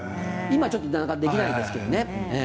今ちょっとなかなかできないですけれどね。